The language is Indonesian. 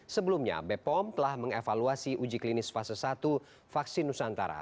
sebelumnya bepom telah mengevaluasi uji klinis fase satu vaksin nusantara